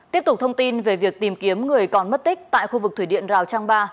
tiếp tục thông tin về việc tìm kiếm người còn mất tích tại khu vực thủy điện rào trang ba